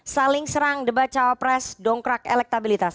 saling serang debat cawapres dongkrak elektabilitas